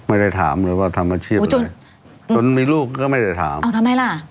ไม่ได้ถามเลยว่าทำอาชีพอะไรจนมีลูกก็ไม่ได้ถามเอาทำไมล่ะ